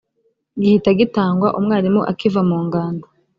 gihita gitangwa umwarimu akiva mu ngando